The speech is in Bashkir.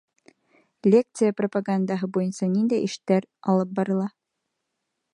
Лекция пропагандаһы буйынса ниндәй эштәр алып барыла?